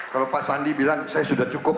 kalau pak sandi bilang saya sudah cukup